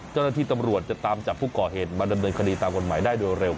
เจ้าหน้าที่ตำรวจจะตามจับผู้ก่อเหตุมาดำเนินคดีตามกฎหมายได้โดยเร็ว